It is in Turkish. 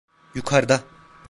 Yukarıda.